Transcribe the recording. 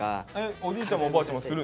おじいちゃんもおばあちゃんもするの？